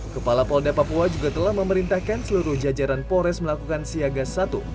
kepala polda papua juga telah memerintahkan seluruh jajaran polres melakukan siaga satu